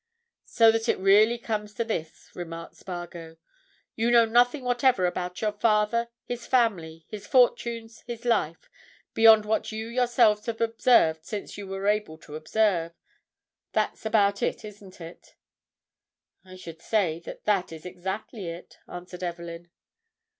"So that it really comes to this," remarked Spargo. "You know nothing whatever about your father, his family, his fortunes, his life, beyond what you yourselves have observed since you were able to observe? That's about it, isn't it?" "I should say that that is exactly it," answered Evelyn.